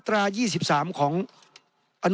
๑รัฐภาคีคือประเทศนั้น